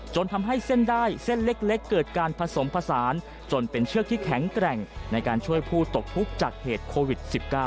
จนทำให้เส้นได้เส้นเล็กเกิดการผสมผสานจนเป็นเชือกที่แข็งแกร่งในการช่วยผู้ตกทุกข์จากเหตุโควิด๑๙